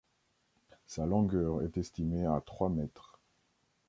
Sa longueur est estimée à trois mètres.